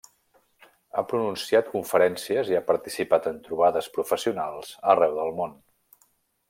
Ha pronunciat conferències i ha participat en trobades professionals arreu del món.